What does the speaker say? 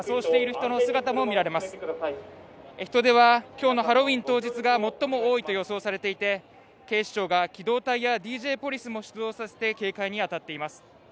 人出は今日のハロウィーン当日が最も多いと予想されていて警視庁が機動隊やＤＪポリスも出動させて警戒に当たっています。